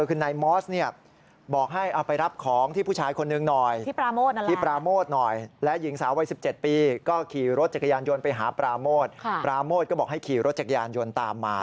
ก็บอกให้ขี่รถจักรยานยนต์ตามมา